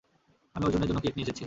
আমি অর্জুনের জন্য কেক নিয়ে এসেছি।